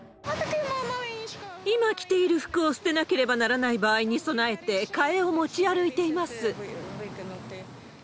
今着ている服を捨てなければならない場合に備えて、替えを持ち歩いています。